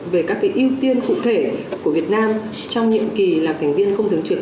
về các ưu tiên cụ thể của việt nam trong nhiệm kỳ làm thành viên không thường trực